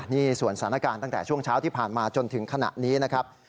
นี่ส่วนสถานการณ์ตั้งแต่ช่วงเช้าที่ผ่านมาจนถึงขณะนี้นะครับ